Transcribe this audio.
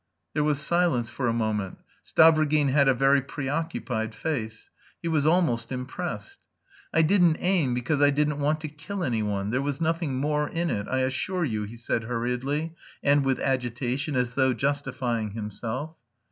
There was silence for a moment. Stavrogin had a very preoccupied face. He was almost impressed. "I didn't aim because I didn't want to kill anyone. There was nothing more in it, I assure you," he said hurriedly, and with agitation, as though justifying himself.